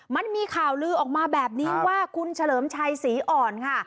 มันมีข่าวลือออกมาแบบนี้ว่าคุณเฉลิมชัยศรีอ่อนค่ะ